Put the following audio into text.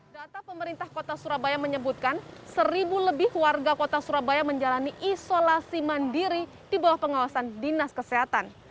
data pemerintah kota surabaya menyebutkan seribu lebih warga kota surabaya menjalani isolasi mandiri di bawah pengawasan dinas kesehatan